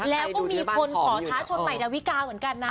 แล้วก็มีคนขอท้าชนใหม่ดาวิกาเหมือนกันนะ